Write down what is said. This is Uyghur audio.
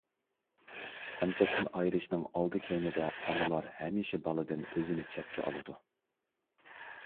ئەمچەكتىن ئايرىشنىڭ ئالدى-كەينىدە، ئانىلار ھەمىشە بالىدىن ئۆزىنى چەتكە ئالىدۇ.